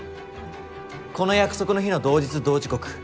この約束の日の同日同時刻。